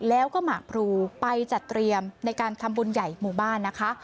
แล้วก็หมากพรูไปจัดเตรียมในการทำบุญใหญ่หมู่บ้านนะคะ